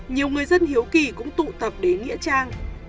nhiều người dân hiếu kỳ cũng tụ tập đến nghĩa trang